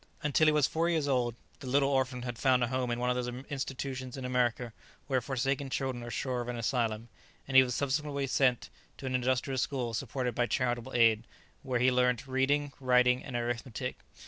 Until he was four years old the little orphan had found a home in one of those institutions in America where forsaken children are sure of an asylum, and he was subsequently sent to an industrial school supported by charitable aid, where he learnt reading, writing, and arithmetic.